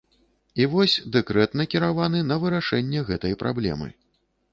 І вось, дэкрэт накіраваны на вырашэнне гэтай праблемы.